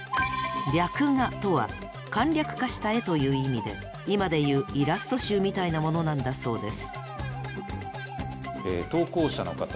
「略画」とは簡略化した絵という意味で今で言うイラスト集みたいなものなんだそうです。